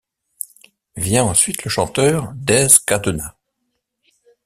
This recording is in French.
Vient ensuite le chanteur Dez Cadena.